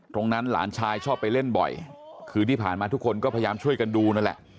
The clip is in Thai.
หลานชายชอบไปเล่นบ่อยคือที่ผ่านมาทุกคนก็พยายามช่วยกันดูนั่นแหละ